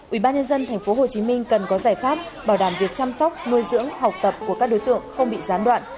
ubnd tp hcm cần có giải pháp bảo đảm việc chăm sóc nuôi dưỡng học tập của các đối tượng không bị gián đoạn